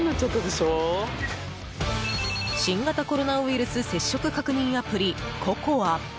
新型コロナウイルス接触確認アプリ